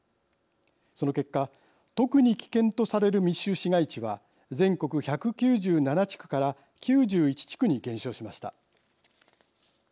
その結果特に危険とされる密集市街地は全国１９７地区から９１地区に減少しました。